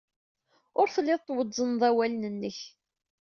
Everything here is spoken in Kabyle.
Ur tellid twezzned awal-nnek.